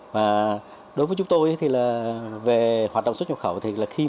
và đối với chúng tôi thì là về hoạt động xuất nhập khẩu thì là khi mà chúng tôi